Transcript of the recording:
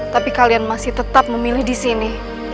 tapi kalian masih tetap memilih disini